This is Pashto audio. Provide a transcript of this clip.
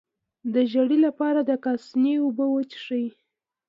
د ژیړي لپاره د کاسني اوبه وڅښئ